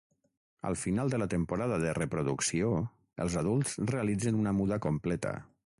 Al final de la temporada de reproducció, els adults realitzen una muda completa.